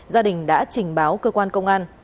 gia đình đã trình báo cơ quan công an